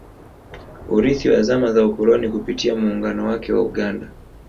Urithi wa zama za ukoloni Kupitia muungano wake wa Uganda